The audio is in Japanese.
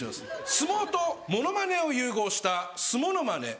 相撲とモノマネを融合した「すものまね」。